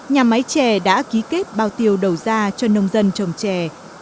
nhà máy chè đã ký kết bao tiêu đầu ra cho nông dân trồng trè